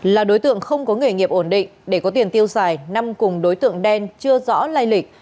là đối tượng không có nghề nghiệp ổn định để có tiền tiêu xài nam cùng đối tượng đen chưa rõ lai lịch